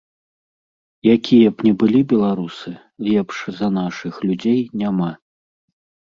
Якія б ні былі беларусы, лепш за нашых людзей няма.